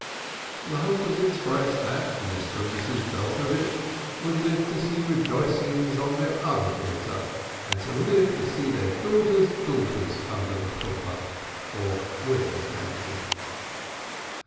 The hope was expressed that Mr. and Mrs. Belcovitch would live to see "rejoicings" on their other daughter, and to see their daughters' daughters under the Chuppah, or wedding canopy.